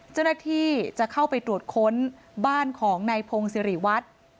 เจ้าหน้าที่จะเข้าไปตรวจค้นบ้านของนายพงศิริวัฒน์